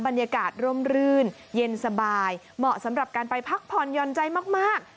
บรรยากาศร่มรื่นเย็นสบายเหมาะสำหรับการไปพักผ่อนหย่อนใจมาก